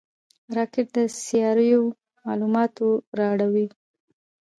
راکټ د سیارویو معلومات راوړي